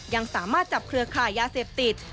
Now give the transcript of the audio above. ยังสามารถจับเครือขายยาเสพติด